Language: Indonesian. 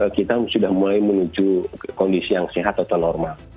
kita sudah mulai menuju kondisi yang sehat atau normal